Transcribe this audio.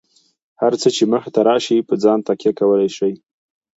هر څه چې مخې ته راشي، په ځان تکیه کولای شئ.